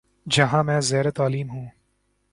جہاں میں زیرتعلیم ہوں